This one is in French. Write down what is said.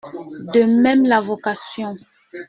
De même la vocation.